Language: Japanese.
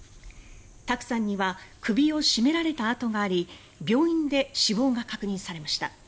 卓さんには首を絞められた痕があり病院で死亡が確認されました。